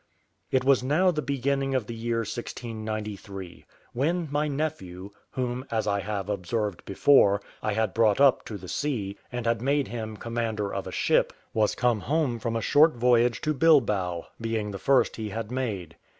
It was now the beginning of the year 1693, when my nephew, whom, as I have observed before, I had brought up to the sea, and had made him commander of a ship, was come home from a short voyage to Bilbao, being the first he had made.